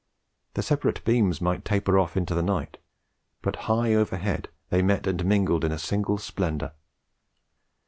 The separate beams might taper off into the night, but high overhead they met and mingled in a single splendour.